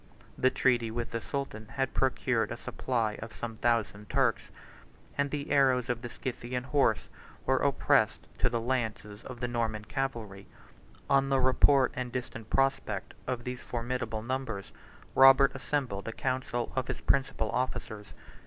71 The treaty with the sultan had procured a supply of some thousand Turks; and the arrows of the Scythian horse were opposed to the lances of the Norman cavalry. On the report and distant prospect of these formidable numbers, Robert assembled a council of his principal officers.